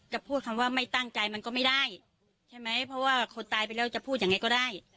พูดคำว่าไม่ตั้งใจมันก็ไม่ได้ใช่ไหมเพราะว่าคนตายไปแล้วจะพูดยังไงก็ได้